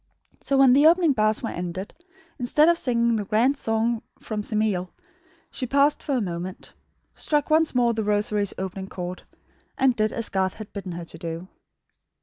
So; when the opening bars were ended, instead of singing the grand song from Semele she paused for a moment; struck once more The Rosary's; opening chord; and did as Garth had bidden her to do.